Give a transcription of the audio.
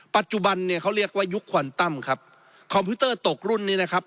ปัจจุบันเนี่ยเขาเรียกว่ายุคควันตั้มครับคอมพิวเตอร์ตกรุ่นนี้นะครับ